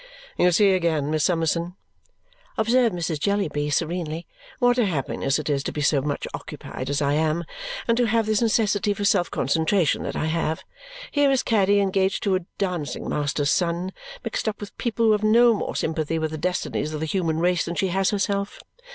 "You see again, Miss Summerson," observed Mrs. Jellyby serenely, "what a happiness it is to be so much occupied as I am and to have this necessity for self concentration that I have. Here is Caddy engaged to a dancing master's son mixed up with people who have no more sympathy with the destinies of the human race than she has herself!